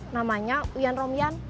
namanya uyan romyan